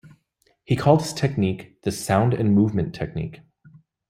He called his technique the "sound and movement" technique.